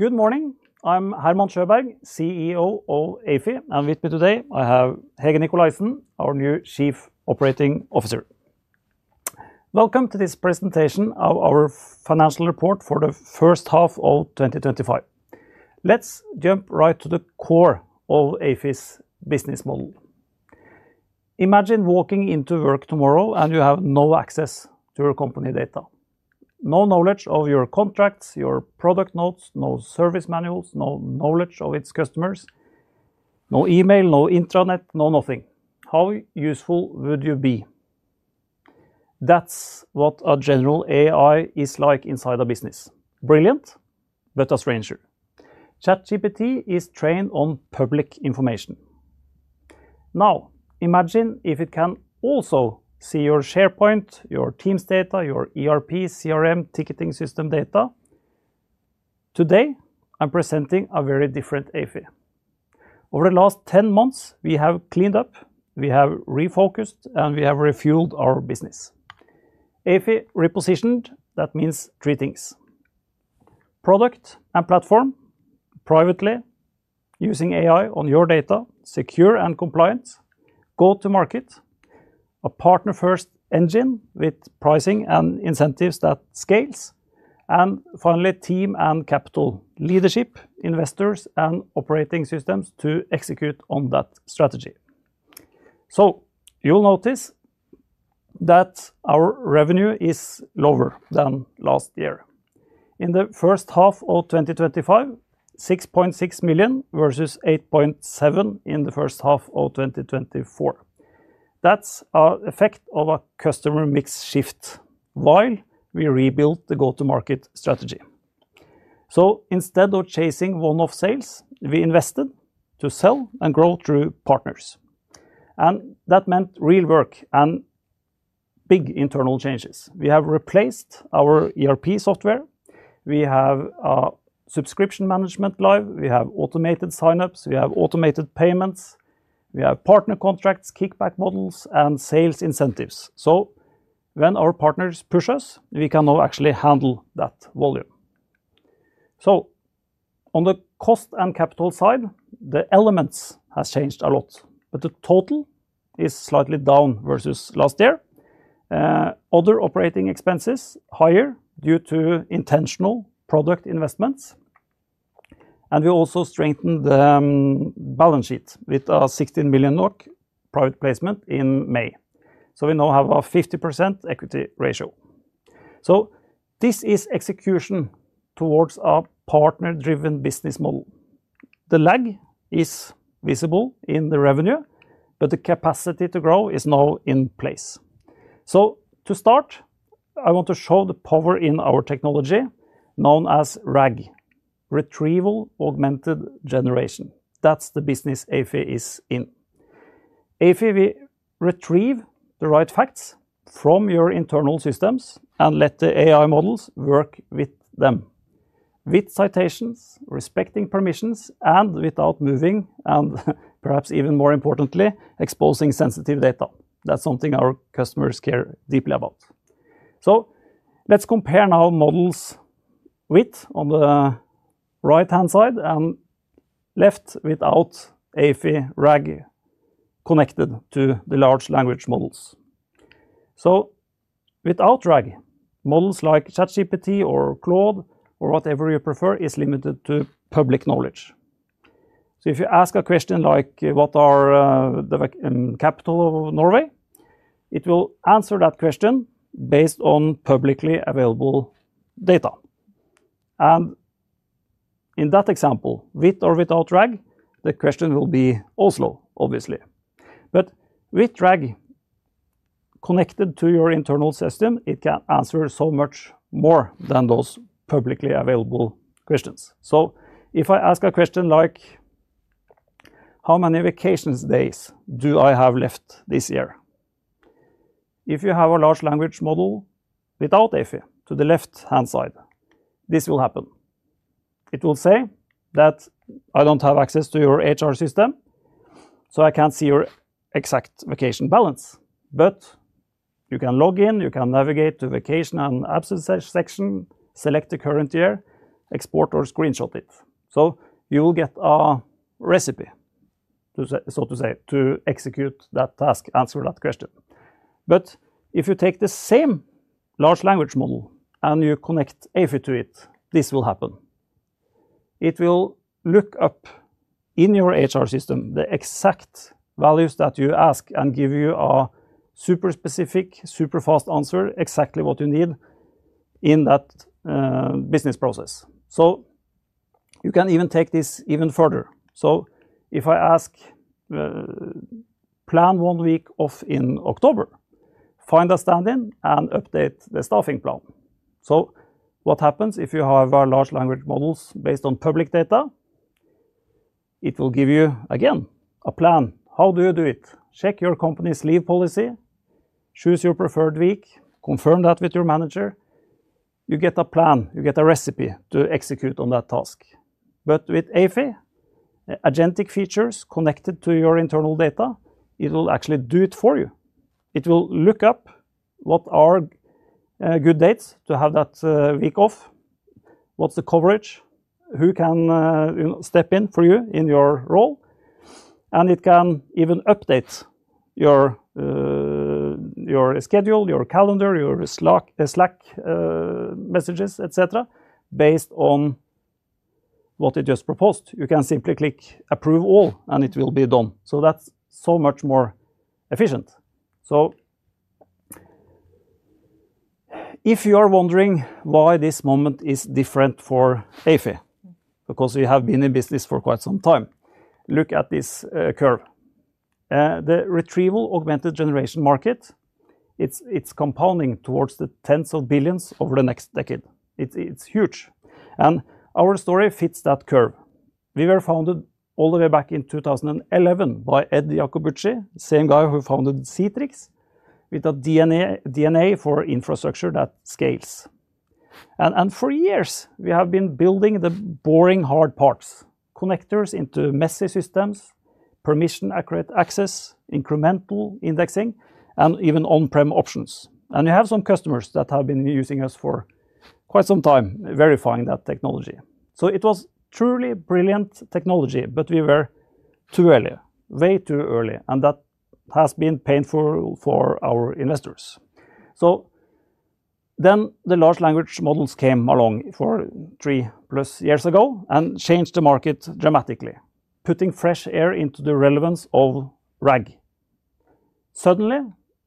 Good morning. I'm Herman Sjøberg, CEO of Ayfie. With me today, I have Hege Nikolaisen, our new Chief Operating Officer. Welcome to this presentation of our financial report for the first half of 2025. Let's jump right to the core of Ayfie's business model. Imagine walking into work tomorrow and you have no access to your company data. No knowledge of your contracts, your product notes, no service manuals, no knowledge of its customers, no email, no intranet, no nothing. How useful would you be? That's what a general AI is like inside a business. Brilliant, but a stranger. ChatGPT is trained on public information. Now, imagine if it can also see your SharePoint, your Teams data, your ERP, CRM, ticketing system data. Today, I'm presenting a very different Ayfie. Over the last 10 months, we have cleaned up, we have refocused, and we have refueled our business. Ayfie repositioned, that means three things: product and platform, privately, using AI on your data, secure and compliant, go-to-market, a partner-first engine with pricing and incentives that scales, and finally, team and capital, leadership, investors, and operating systems to execute on that strategy. You'll notice that our revenue is lower than last year. In the first half of 2025, 6.6 million versus 8.7 million in the first half of 2024. That's an effect of a customer mix shift while we rebuilt the go-to-market strategy. Instead of chasing one-off sales, we invested to sell and grow through partners. That meant real work and big internal changes. We have replaced our ERP software, we have a subscription management live, we have automated signups, we have automated payments, we have partner contracts, kickback models, and sales incentives. When our partners push us, we can now actually handle that volume. On the cost and capital side, the elements have changed a lot. The total is slightly down versus last year. Other operating expenses are higher due to intentional product investments. We also strengthened the balance sheet with a 16 million NOK private placement in May. We now have a 50% equity ratio. This is execution towards a partner-driven business model. The lag is visible in the revenue, but the capacity to grow is now in place. To start, I want to show the power in our technology known as RAG, Retrieval Augmented Generation. That's the business Ayfie is in. At Ayfie, we retrieve the right facts from your internal systems and let the AI models work with them, with citations, respecting permissions, and without moving, and perhaps even more importantly, exposing sensitive data. That's something our customers care deeply about. Let's compare models with, on the right-hand side, and left without Ayfie RAG connected to the large language models. Without RAG, models like ChatGPT or Claude, or whatever you prefer, are limited to public knowledge. If you ask a question like, what is the capital of Norway, it will answer that question based on publicly available data. In that example, with or without RAG, the answer will be Oslo, obviously. With RAG connected to your internal system, it can answer so much more than those publicly available questions. If I ask a question like, how many vacation days do I have left this year? If you have a large language model without Ayfie, to the left-hand side, this will happen. It will say that I don't have access to your HR system, so I can't see your exact vacation balance. You can log in, you can navigate to the vacation and absence section, select the current year, export, or screenshot it. You will get a recipe, so to say, to execute that task, answer that question. If you take the same large language model and you connect Ayfie to it, this will happen. It will look up in your HR system the exact values that you ask and give you a super specific, super fast answer, exactly what you need in that business process. You can even take this further. If I ask, plan one week off in October, find a stand-in and update the staffing plan. What happens if you have large language models based on public data? It will give you, again, a plan. How do you do it? Check your company's leave policy, choose your preferred week, confirm that with your manager. You get a plan, you get a recipe to execute on that task. With Ayfie, agentic features connected to your internal data, it will actually do it for you. It will look up what are good dates to have that week off, what's the coverage, who can step in for you in your role, and it can even update your schedule, your calendar, your Slack messages, et cetera, based on what it just proposed. You can simply click approve all and it will be done. That's so much more efficient. If you are wondering why this moment is different for Ayfie, because we have been in business for quite some time, look at this curve. The Retrieval Augmented Generation market, it's compounding towards the tens of billions over the next decade. It's huge, and our story fits that curve. We were founded all the way back in 2011 by Ed Jakubowicz, the same guy who founded Citrix, with a DNA for infrastructure that scales. For years, we have been building the boring hard parts, connectors into messy systems, permission accurate access, incremental indexing, and even on-prem options. We have some customers that have been using us for quite some time, verifying that technology. It was truly brilliant technology, but we were too early, way too early, and that has been painful for our investors. Large language models came along three plus years ago and changed the market dramatically, putting fresh air into the relevance of RAG.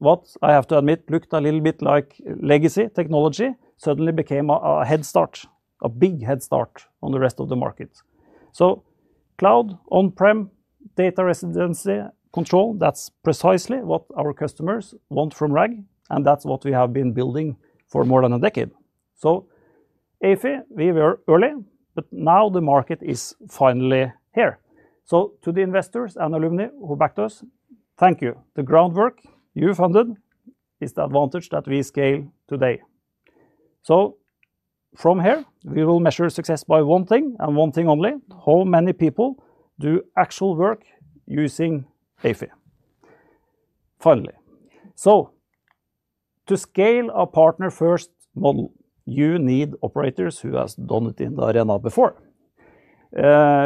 What I have to admit looked a little bit like legacy technology suddenly became a head start, a big head start on the rest of the market. Cloud, on-prem, data residency, control, that's precisely what our customers want from RAG, and that's what we have been building for more than a decade. Ayfie, we were early, but now the market is finally here. To the investors and alumni who backed us, thank you. The groundwork you funded is the advantage that we scale today. From here, we will measure success by one thing, and one thing only, how many people do actual work using Ayfie. Finally, to scale a partner-first model, you need operators who have done it in the arena before.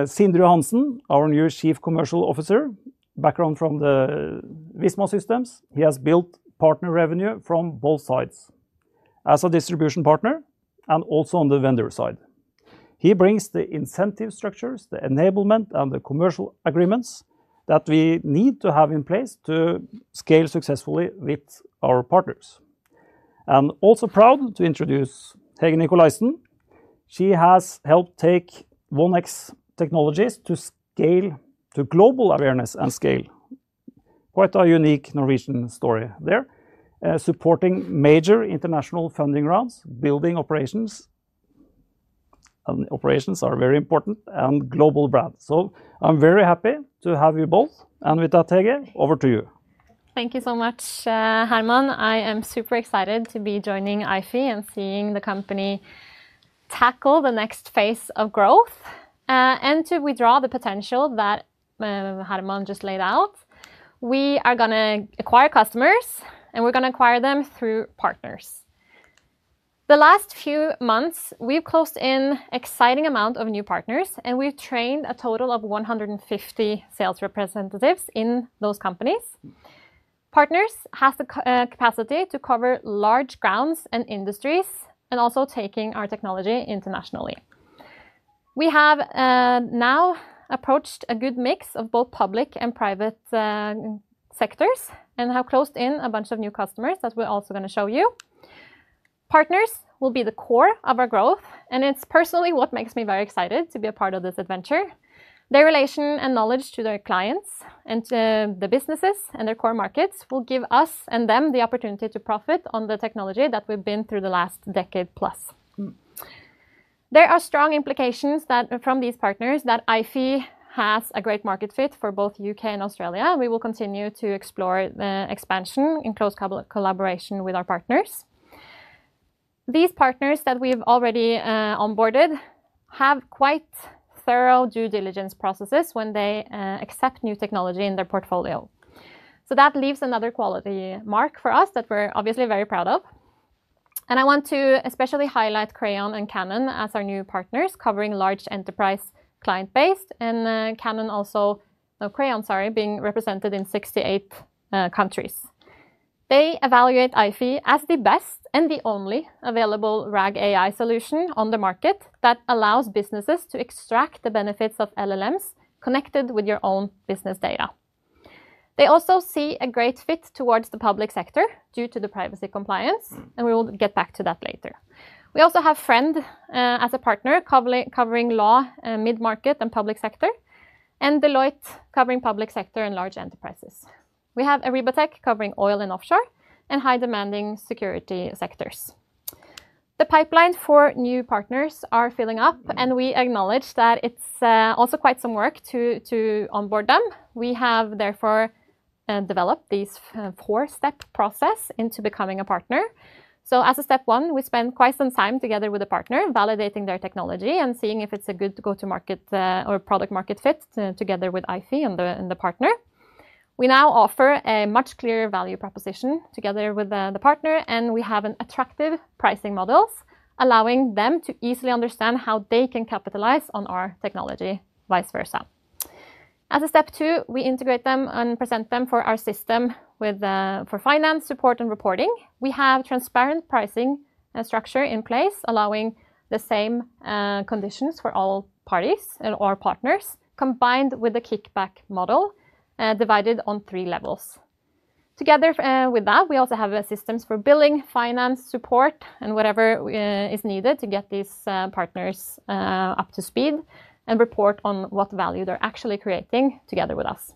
Sindre Johansen, our new Chief Commercial Officer, background from the Visma Systems, he has built partner revenue from both sides, as a distribution partner and also on the vendor side. He brings the incentive structures, the enablement, and the commercial agreements that we need to have in place to scale successfully with our partners. Also proud to introduce Hege Nikolaisen. She has helped take 1X Technologies to scale to global awareness and scale. Quite a unique Norwegian story there, supporting major international funding rounds, building operations, and operations are very important, and global brand. I'm very happy to have you both, and with that, Hege, over to you. Thank you so much, Herman. I am super excited to be joining Ayfie and seeing the company tackle the next phase of growth and to withdraw the potential that Herman just laid out. We are going to acquire customers, and we're going to acquire them through partners. The last few months, we've closed an exciting amount of new partners, and we've trained a total of 150 sales representatives in those companies. Partners have the capacity to cover large grounds and industries, and also taking our technology internationally. We have now approached a good mix of both public and private sectors and have closed in a bunch of new customers that we're also going to show you. Partners will be the core of our growth, and it's personally what makes me very excited to be a part of this adventure. Their relation and knowledge to their clients and to the businesses and their core markets will give us and them the opportunity to profit on the technology that we've been through the last decade plus. There are strong implications from these partners that Ayfie has a great market fit for both U.K. and Australia. We will continue to explore the expansion in close collaboration with our partners. These partners that we've already onboarded have quite thorough due diligence processes when they accept new technology in their portfolio. That leaves another quality mark for us that we're obviously very proud of. I want to especially highlight Crayon and Canon as our new partners covering large enterprise client base, and Canon also, no, Crayon sorry, being represented in 68 countries. They evaluate Ayfie as the best and the only available RAG AI solution on the market that allows businesses to extract the benefits of LLMs connected with your own business data. They also see a great fit towards the public sector due to the privacy compliance, and we will get back to that later. We also have Friend as a partner covering law mid-market and public sector, and Deloitte covering public sector and large enterprises. We have Arribatec covering oil and offshore and high demanding security sectors. The pipelines for new partners are filling up, and we acknowledge that it's also quite some work to onboard them. We have therefore developed this four-step process into becoming a partner. As a step one, we spend quite some time together with a partner validating their technology and seeing if it's a good go-to-market or product-market fit together with Ayfie and the partner. We now offer a much clearer value proposition together with the partner, and we have an attractive pricing model allowing them to easily understand how they can capitalize on our technology, vice versa. As a step two, we integrate them and present them for our system for finance, support, and reporting. We have a transparent pricing structure in place allowing the same conditions for all parties or partners combined with the kickback model divided on three levels. Together with that, we also have systems for billing, finance, support, and whatever is needed to get these partners up to speed and report on what value they're actually creating together with us.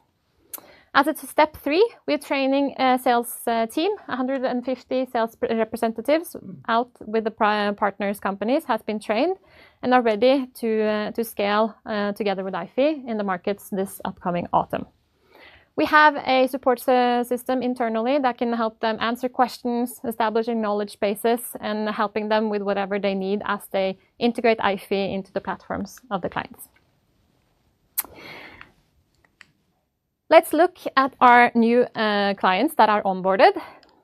As a step three, we are training a sales team, 150 sales representatives out with the partners' companies have been trained and are ready to scale together with Ayfie in the markets this upcoming autumn. We have a support system internally that can help them answer questions, establishing knowledge bases, and helping them with whatever they need as they integrate Ayfie into the platforms of the clients. Let's look at our new clients that are onboarded.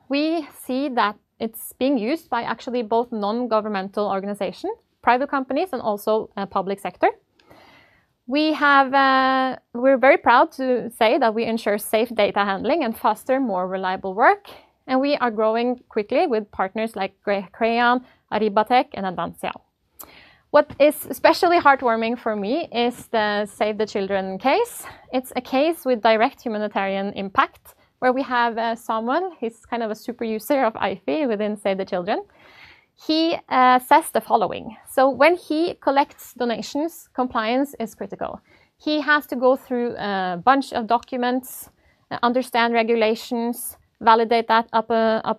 We see that it's being used by actually both non-governmental organizations, private companies, and also the public sector. We're very proud to say that we ensure safe data handling and faster, more reliable work, and we are growing quickly with partners like Crayon and Arribatec and Advansia. What is especially heartwarming for me is the Save the Children case. It's a case with direct humanitarian impact where we have someone, he's kind of a super user of Ayfie within Save the Children. He says the following. When he collects donations, compliance is critical. He has to go through a bunch of documents, understand regulations, validate that up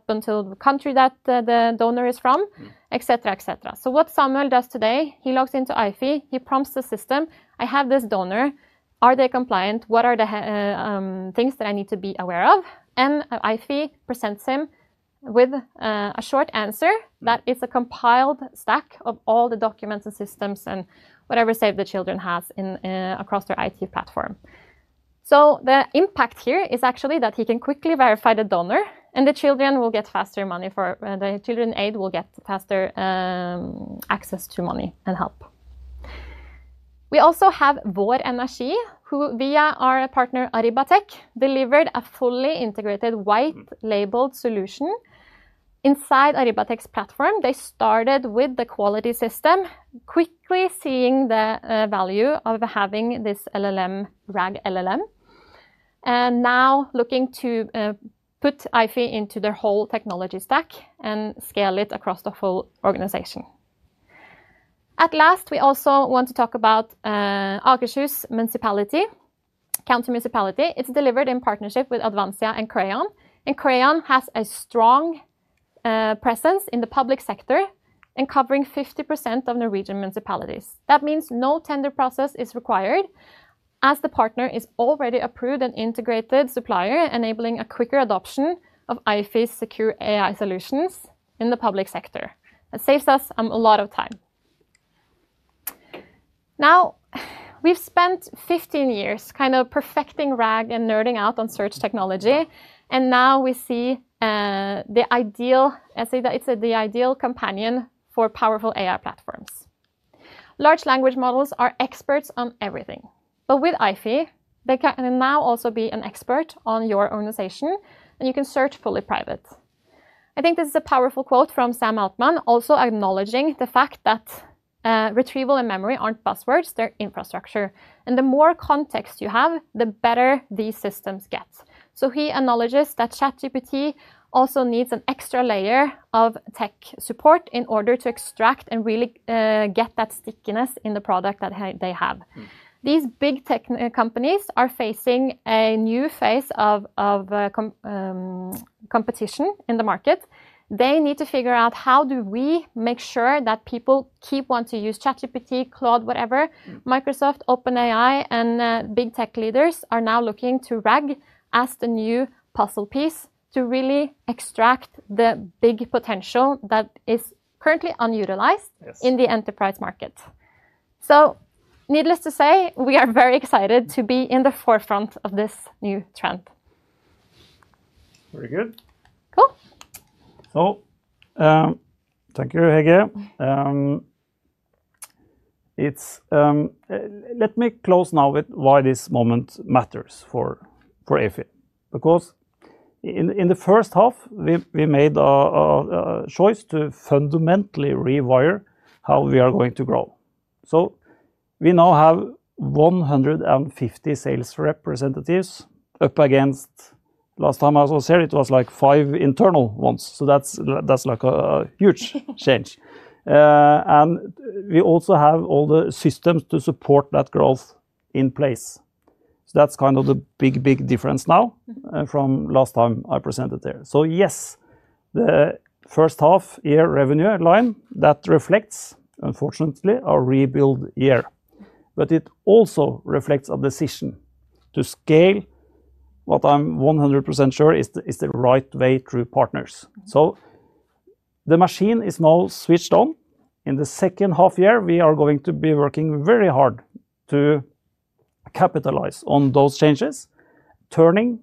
until the country that the donor is from, etc., etc. What Samuel does today, he logs into Ayfie, he prompts the system, I have this donor, are they compliant, what are the things that I need to be aware of, and Ayfie presents him with a short answer that is a compiled stack of all the documents and systems and whatever Save the Children has across their IT platform. The impact here is actually that he can quickly verify the donor, and the children will get faster money for the children aid will get faster access to money and help. We also have Bord Energi, who via our partner Arribatec delivered a fully integrated white-labeled solution. Inside Arribatec's platform, they started with the quality system, quickly seeing the value of having this LLM, RAG LLM, and now looking to put Ayfie into their whole technology stack and scale it across the whole organization. At last, we also want to talk about Akershus County Municipality. It's delivered in partnership with Advansia and Crayon. Crayon has a strong presence in the public sector and covering 50% of Norwegian municipalities. That means no tender process is required as the partner is already approved and integrated supplier, enabling a quicker adoption of Ayfie's secure AI solutions in the public sector. That saves us a lot of time. Now, we've spent 15 years kind of perfecting RAG and nerding out on search technology, and now we see the ideal, I say that it's the ideal companion for powerful AI platforms. Large language models are experts on everything. With Ayfie, they can now also be an expert on your organization, and you can search fully private. I think this is a powerful quote from Sam Altman, also acknowledging the fact that retrieval and memory aren't buzzwords, they're infrastructure. The more context you have, the better these systems get. He acknowledges that ChatGPT also needs an extra layer of tech support in order to extract and really get that stickiness in the product that they have. These big tech companies are facing a new phase of competition in the market. They need to figure out how do we make sure that people keep wanting to use ChatGPT, Claude, whatever. Microsoft, OpenAI, and big tech leaders are now looking to RAG as the new puzzle piece to really extract the big potential that is currently unutilized in the enterprise market. Needless to say, we are very excited to be in the forefront of this new trend. Very good. Cool. Thank you, Hege. Let me close now with why this moment matters for Ayfie. In the first half, we made a choice to fundamentally rewire how we are going to grow. We now have 150 sales representatives, up against last time I was on set, it was like five internal ones. That's a huge change. We also have all the systems to support that growth in place. That's the big, big difference now from last time I presented there. Yes, the first half year revenue line reflects, unfortunately, our rebuild year. It also reflects a decision to scale what I'm 100% sure is the right way through partners. The machine is now switched on. In the second half year, we are going to be working very hard to capitalize on those changes, turning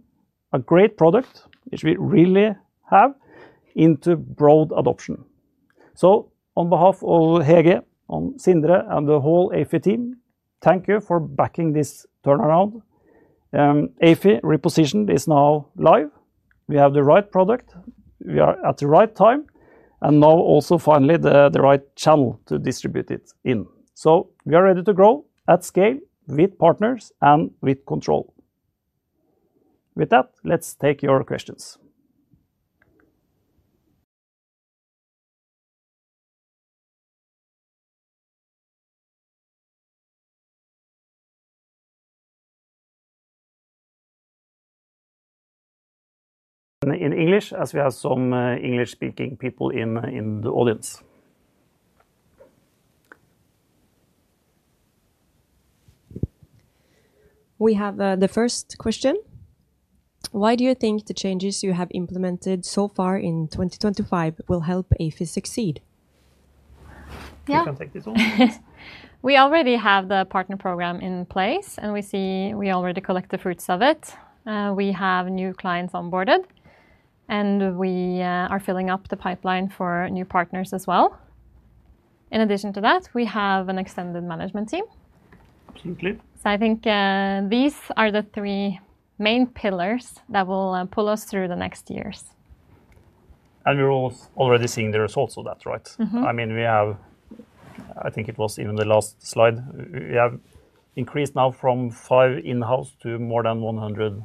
a great product, which we really have, into broad adoption. On behalf of Hege, Sindre, and the whole Ayfie team, thank you for backing this turnaround. Ayfie reposition is now live. We have the right product. We are at the right time. Now also finally the right channel to distribute it in. We are ready to grow at scale with partners and with control. With that, let's take your questions. In English, as we have some English-speaking people in the audience. We have the first question. Why do you think the changes you have implemented so far in 2025 will help Ayfie succeed? Yeah. You can take this one. We already have the partner program in place, and we see we already collect the fruits of it. We have new clients onboarded, and we are filling up the pipeline for new partners as well. In addition to that, we have an extended management team. Absolutely. I think these are the three main pillars that will pull us through the next years. We're already seeing the results of that, right? I mean, we have, I think it was even the last slide, we have increased now from five in-house to more than 100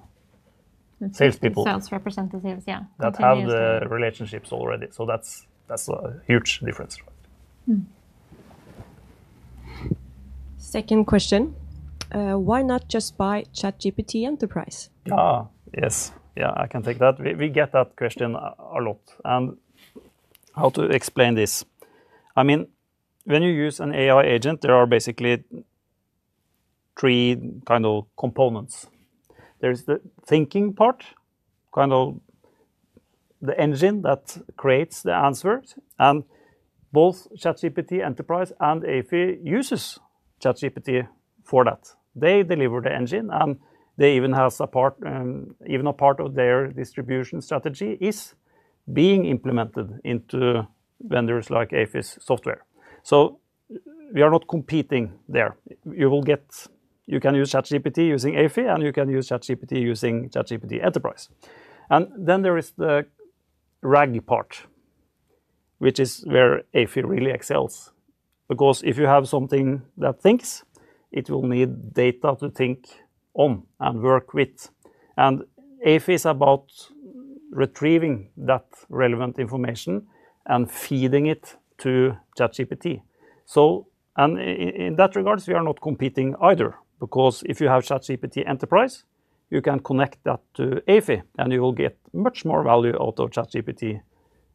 salespeople. Sales representatives, yeah. They have the relationships already. That's a huge difference. Second question. Why not just buy ChatGPT Enterprise? Yes. Yeah, I can take that. We get that question a lot. How to explain this? I mean, when you use an AI agent, there are basically three kind of components. There's the thinking part, kind of the engine that creates the answers, and both ChatGPT Enterprise and Ayfie use ChatGPT for that. They deliver the engine, and they even have a part, even a part of their distribution strategy is being implemented into vendors like Ayfie's software. We are not competing there. You can use ChatGPT using Ayfie, and you can use ChatGPT using ChatGPT Enterprise. There is the RAG part, which is where Ayfie really excels. If you have something that thinks, it will need data to think on and work with. Ayfie is about retrieving that relevant information and feeding it to ChatGPT. In that regard, we are not competing either. If you have ChatGPT Enterprise, you can connect that to Ayfie, and you will get much more value out of ChatGPT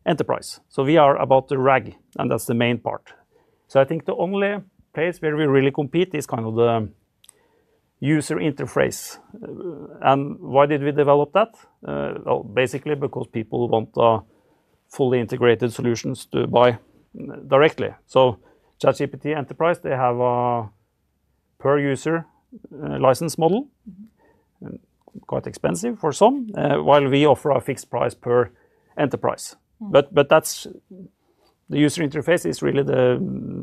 Enterprise. We are about the RAG, and that's the main part. I think the only place where we really compete is kind of the user interface. Why did we develop that? Basically because people want fully integrated solutions to buy directly. ChatGPT Enterprise has a per-user license model, quite expensive for some, while we offer a fixed price per enterprise. The user interface is really the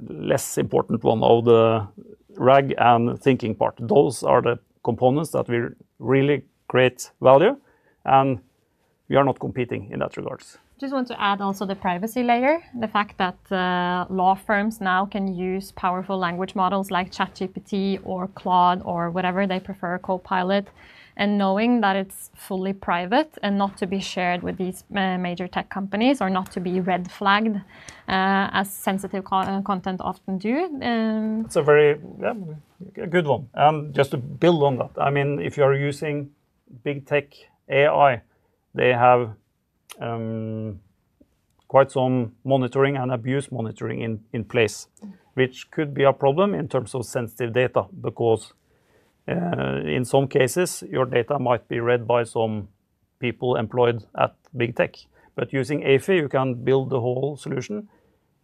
less important one of the RAG and thinking part. Those are the components that will really create value, and we are not competing in that regard. Just want to add also the privacy layer, the fact that law firms now can use powerful language models like ChatGPT or Claude or whatever they prefer, Copilot, and knowing that it's fully private and not to be shared with these major tech companies or not to be red flagged as sensitive content often do. That's a very good one. Just to build on that, I mean, if you're using big tech AI, they have quite some monitoring and abuse monitoring in place, which could be a problem in terms of sensitive data. In some cases, your data might be read by some people employed at big tech. Using Ayfie, you can build the whole solution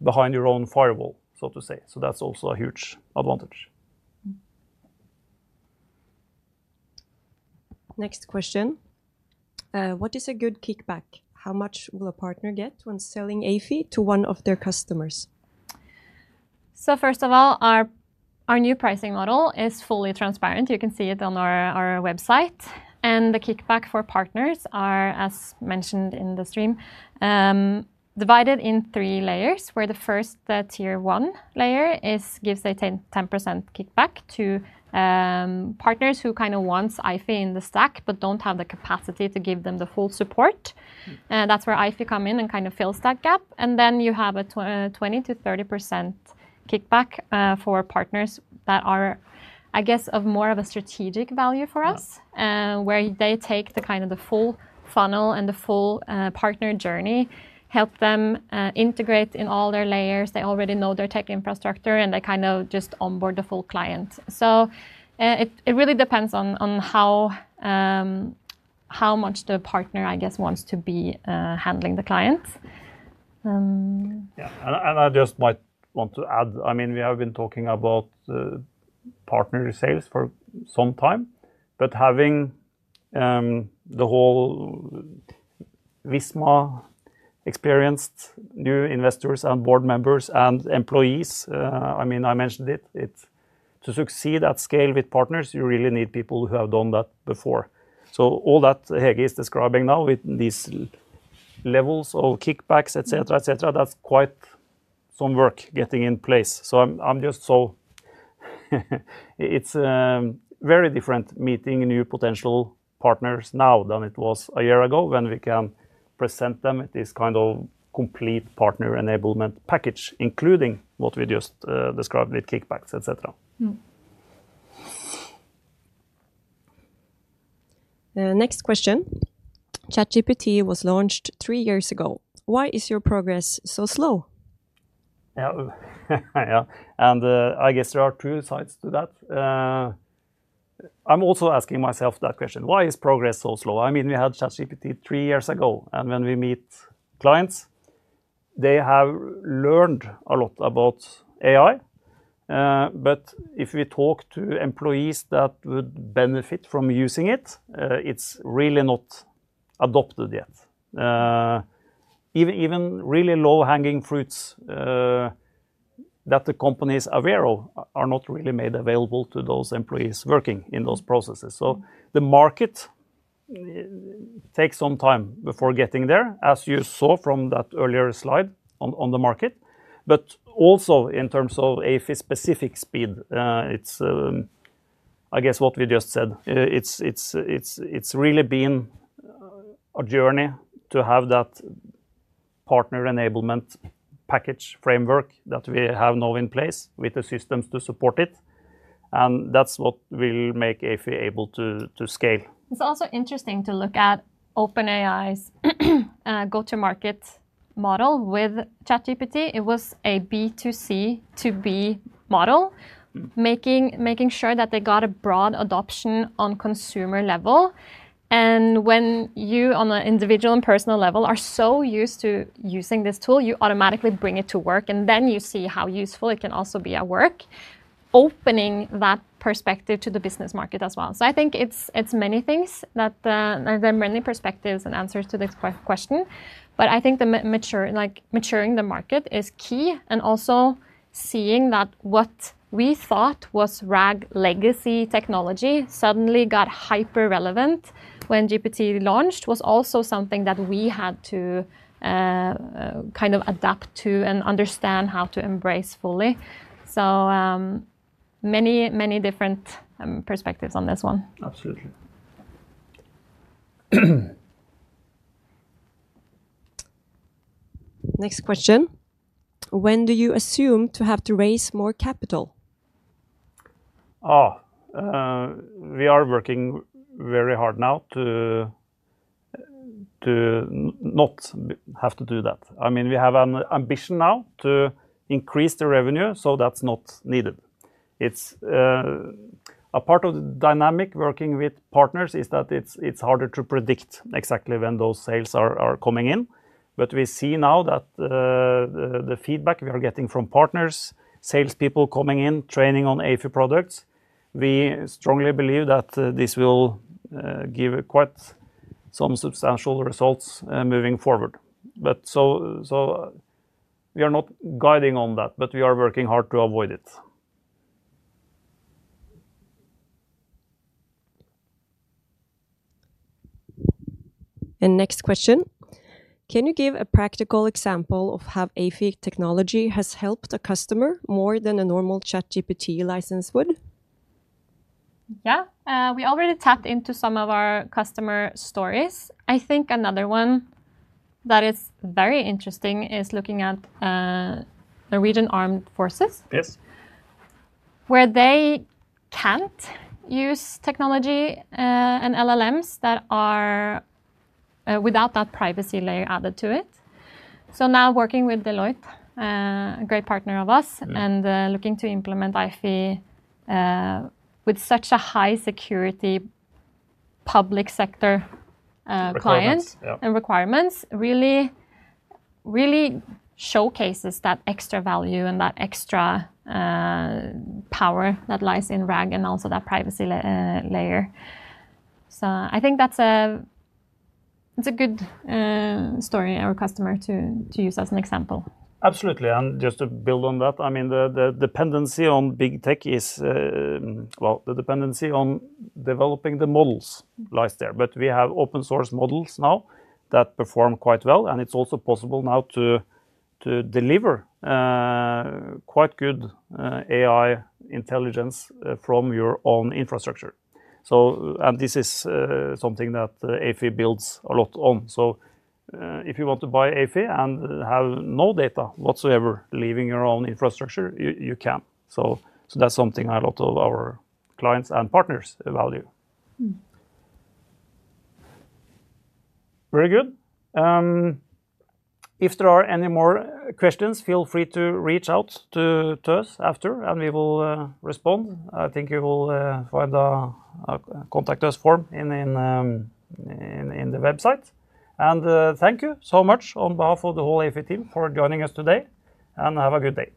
behind your own firewall, so to say. That's also a huge advantage. Next question. What is a good kickback? How much will a partner get when selling Ayfie to one of their customers? First of all, our new pricing model is fully transparent. You can see it on our website. The kickback for partners is, as mentioned in the stream, divided in three layers, where the first tier one layer gives a 10% kickback to partners who kind of want Ayfie in the stack but don't have the capacity to give them the full support. That's where Ayfie comes in and kind of fills that gap. You have a 20%-30% kickback for partners that are, I guess, of more of a strategic value for us, where they take the full funnel and the full partner journey, help them integrate in all their layers. They already know their tech infrastructure, and they kind of just onboard the full client. It really depends on how much the partner, I guess, wants to be handling the clients. Yeah, I just might want to add, I mean, we have been talking about partner sales for some time, but having the whole Visma experience, new investors and board members and employees, I mean, I mentioned it, to succeed at scale with partners, you really need people who have done that before. All that Hege is describing now with these levels of kickbacks, etc., that's quite some work getting in place. I'm just so, it's a very different meeting new potential partners now than it was a year ago when we can present them with this kind of complete partner enablement package, including what we just described with kickbacks, etc. Next question. ChatGPT was launched three years ago. Why is your progress so slow? Yeah, and I guess there are two sides to that. I'm also asking myself that question. Why is progress so slow? I mean, we had ChatGPT three years ago, and when we meet clients, they have learned a lot about AI. If we talk to employees that would benefit from using it, it's really not adopted yet. Even really low-hanging fruits that the companies are aware of are not really made available to those employees working in those processes. The market takes some time before getting there, as you saw from that earlier slide on the market. In terms of Ayfie specific speed, it's, I guess, what we just said. It's really been a journey to have that partner enablement package framework that we have now in place with the systems to support it. That's what will make Ayfie able to scale. It's also interesting to look at OpenAI's go-to-market model with ChatGPT. It was a B2C2B model, making sure that they got a broad adoption on consumer level. When you, on an individual and personal level, are so used to using this tool, you automatically bring it to work, and then you see how useful it can also be at work, opening that perspective to the business market as well. I think it's many things, that there are many perspectives and answers to this question. I think maturing the market is key, and also seeing that what we thought was RAG legacy technology suddenly got hyper-relevant when GPT launched was also something that we had to kind of adapt to and understand how to embrace fully. Many, many different perspectives on this one. Absolutely. Next question. When do you assume to have to raise more capital? We are working very hard now to not have to do that. I mean, we have an ambition now to increase the revenue, so that's not needed. A part of the dynamic working with partners is that it's harder to predict exactly when those sales are coming in. We see now that the feedback we are getting from partners, salespeople coming in, training on Ayfie products, we strongly believe that this will give quite some substantial results moving forward. We are not guiding on that, but we are working hard to avoid it. Next question. Can you give a practical example of how Ayfie technology has helped a customer more than a normal ChatGPT license would? Yeah, we already tapped into some of our customer stories. I think another one that is very interesting is looking at Norwegian Armed Forces, where they can't use technology and LLMs that are without that privacy layer added to it. Now working with Deloitte, a great partner of us, and looking to implement Ayfie with such a high security public sector client and requirements really, really showcases that extra value and that extra power that lies in RAG and also that privacy layer. I think that's a good story for our customer to use as an example. Absolutely. Just to build on that, the dependency on big tech is, well, the dependency on developing the models lies there. We have open source models now that perform quite well, and it's also possible now to deliver quite good AI intelligence from your own infrastructure. This is something that Ayfie builds a lot on. If you want to buy Ayfie and have no data whatsoever leaving your own infrastructure, you can. That's something a lot of our clients and partners value. Very good. If there are any more questions, feel free to reach out to us after, and we will respond. I think you will find a contact us form on the website. Thank you so much on behalf of the whole Ayfie team for joining us today, and have a good day.